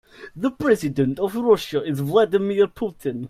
The president of Russia is Vladimir Putin.